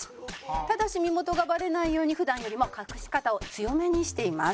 ただし身元がバレないように普段よりも隠し方を強めにしています。